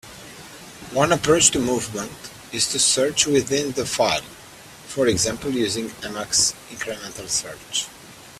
One approach to movement is to search within the file, for example using Emacs incremental search.